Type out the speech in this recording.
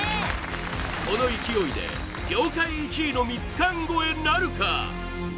この勢いで業界１位のミツカン超えなるか？